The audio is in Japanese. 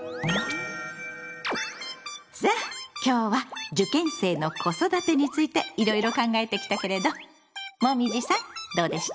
さあ今日は「受験生の子育て」についていろいろ考えてきたけれどもみじさんどうでした？